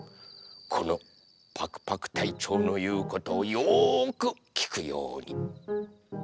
このパクパクたいちょうのいうことをよくきくように。